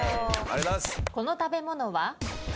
この食べ物は？